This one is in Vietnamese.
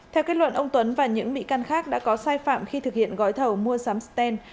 theo kết luận ông tuấn và những bị can khác đã có sai phạm khi thực hiện gói thầu mua sắm sten